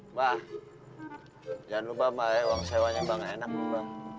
mbah jangan lupa mbah ya uang sewa nya mbah gak enak lho mbah